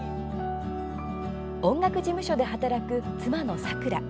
音楽事務所で働く妻の咲良。